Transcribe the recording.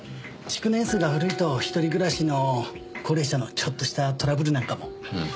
築年数が古いと一人暮らしの高齢者のちょっとしたトラブルなんかも。